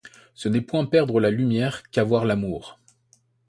Ce n'est point perdre la lumière qu'avoir l'amour.